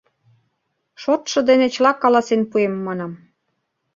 Шотшо дене чыла каласен пуэм, манам.